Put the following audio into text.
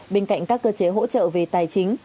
bên cạnh các cơ chế hỗ trợ về tài chính